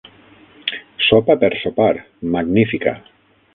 Sopa per sopar, magnífica!